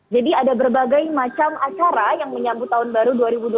jadi ada berbagai macam acara yang menyambut tahun baru dua ribu dua puluh tiga